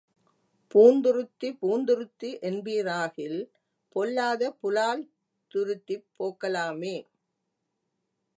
பூந்துருத்தி, பூந்துருத்தி என்பீராகில் பொல்லாத புலால் துருத்திப் போக்கலாமே.